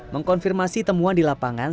mengkonfirmasi temuan di lapangan